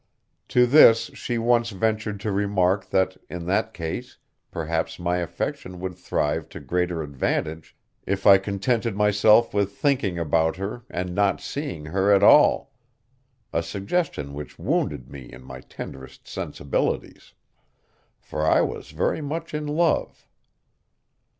To this she once ventured to remark that in that case perhaps my affection would thrive to greater advantage if I contented myself with thinking about her and not seeing her at all, a suggestion which wounded me in my tenderest sensibilities, for I was very much in love.